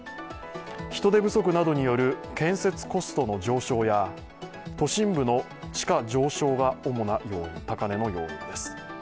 人手不足などによる建設コストの上昇や都心部の地価上昇が高値の要因です。